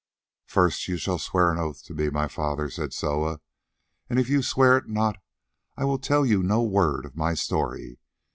"First, you shall swear an oath to me, my father," said Soa, "and if you swear it not, I will tell you no word of my story.